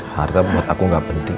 harga buat aku nggak penting